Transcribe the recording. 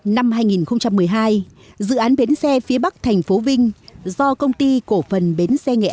năm hai nghìn một mươi hai dự án bến xe phía bắc thành phố vinh do công ty cổ phần bến xe nghệ